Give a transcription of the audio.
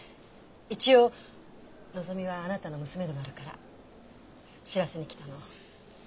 一応のぞみはあなたの娘でもあるから知らせに来たの。